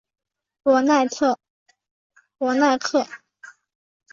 博纳克。